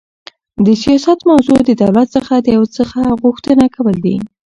د سیاست موضوع د دولت څخه د یو څه غوښتنه کول دي.